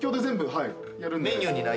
はい。